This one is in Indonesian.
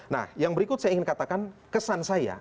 nah yang berikut saya ingin katakan kesan saya